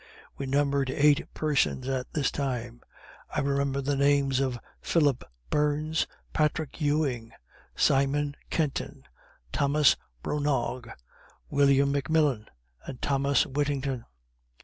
We numbered eight persons at this time; I remember the names of Philip Burns, Patrick Ewing, Simon Kenton, Thomas Bronaugh, William McMillan and Thomas Whittington.